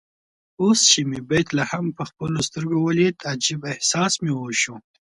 اوس چې مې بیت لحم په خپلو سترګو ولید عجيب احساس مې وشو.